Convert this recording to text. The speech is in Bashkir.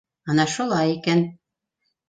— Ана шулай икән!